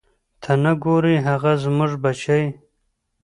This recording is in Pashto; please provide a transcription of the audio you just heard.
ته نه ګورې هغه زموږ بچی.